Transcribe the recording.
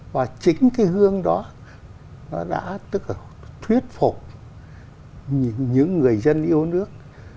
và chính cái hương đó nó đã thuyết phục những người dân yêu nước